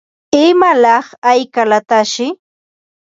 ¿Imalaq hayqalataqshi?